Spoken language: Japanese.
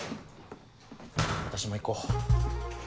私も行こう。